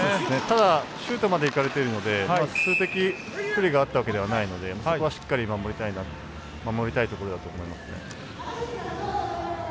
ただ、シュートまでいかれてるので数的不利があったわけではないのでそこはしっかり守りたいところだと思いますね。